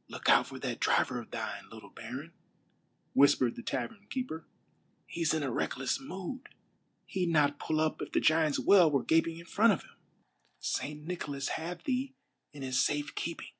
" Look out for that driver of thine, little baron," whispered the tavern keeper. " He's in a reckless mood. He'd not pull up if the Giants' Well were gaping in front of him. St. Nicholas have thee in his safe keeping